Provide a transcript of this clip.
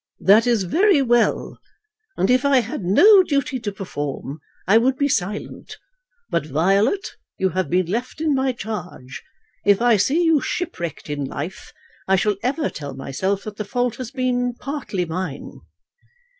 "That is very well, and if I had no duty to perform, I would be silent. But, Violet, you have been left in my charge. If I see you shipwrecked in life, I shall ever tell myself that the fault has been partly mine."